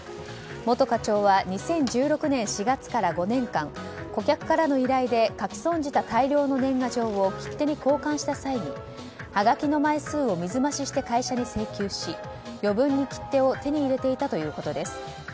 元課長は２０１６年４月から５年間顧客からの依頼で書き損じた大量の年賀状を切手に交換した際にはがきの枚数を水増しして会社に請求し余分に切手を手に入れていたということです。